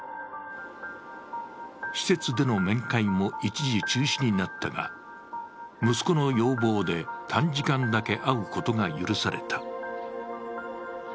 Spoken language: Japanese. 施設での面会も一時中止になったが、息子の要望で短時間だけ会うことが許された。